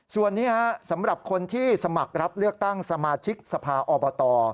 ส่วนนี้สำหรับคนที่สมัครรับเลือกตั้งสมาชิกสภาอบต